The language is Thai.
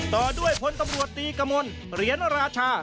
ต่อด้วยพลตำรวจตีกมลเหรียญราชา